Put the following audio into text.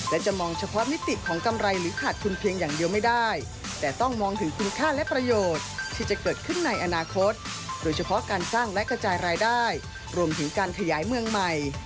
และกระจายรายได้รวมถึงการขยายเมืองใหม่